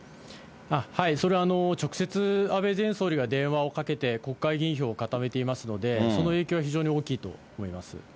それは直接安倍前総理が電話をかけて、国会議員票を固めていますので、その影響は非常に大きいと思いま